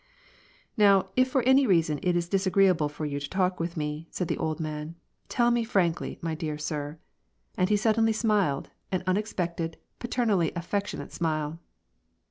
" Now, if for any reason it is disagreeable for you to talk with me," said the old man, " tell me frankly, my dear sir." And he suddenly smiled, an unexpected, a paternally affection ate smile.